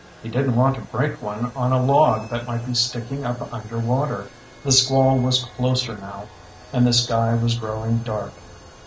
He didn't want to break one on a log that might be sticking up underwater. The squall was closer now, and the sky was growing dark.